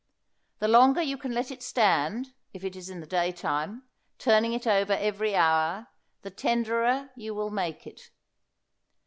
The longer you can let it stand, if it is in the daytime, turning it over every hour, the tenderer you will make it.